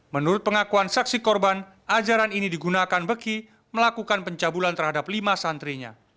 menurut pengakuan saksi korban ajaran ini digunakan beki melakukan pencabulan terhadap lima santrinya